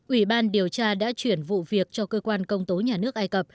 ủy ban điều tra đã chuyển vụ việc cho cơ quan công tố nhà nước ai cập